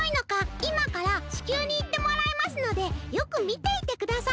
いまから地球にいってもらいますのでよくみていてください。